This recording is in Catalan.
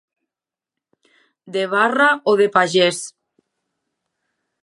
De barra o de pagès.